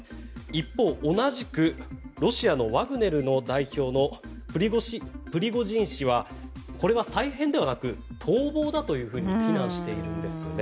一方、同じくロシアのワグネル代表のプリゴジン氏はこれは再編ではなく逃亡だというふうに非難しているんですよね。